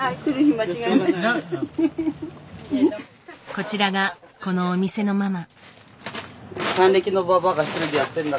こちらがこのお店のママ。